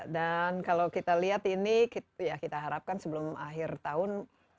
dan kalau kita lihat ini ya kita harapkan sebelum akhir tahun sudah